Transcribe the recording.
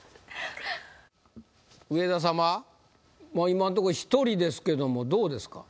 今のとこ１人ですけどもどうですか？